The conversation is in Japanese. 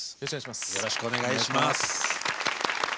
よろしくお願いします。